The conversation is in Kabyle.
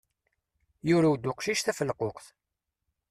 Yurew-d uqcic tafelquqt.